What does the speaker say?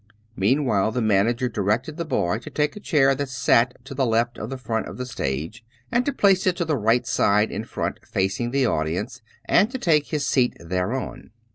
Meanwhile the manager directed the boy to take a chair that sat to the left of the front of the stage, and to place it to the right side in front, facing the audience, and to take his seat thereon.